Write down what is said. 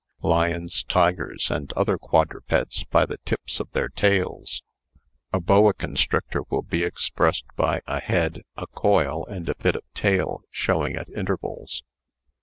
Lions, tigers, and other quadrupeds, by the tips of their tails. A boa constrictor will be expressed by a head, a coil, and a bit of tail showing at intervals.